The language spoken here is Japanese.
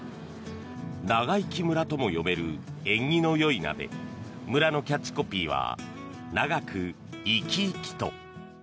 長生き村とも読める縁起のよい名で村のキャッチコピーは「ながくいきいきと」。